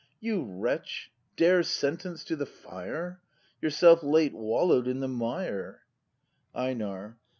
You, wretch, dare sentence to the Fire! Yourself late wallow'd in the mire Einar.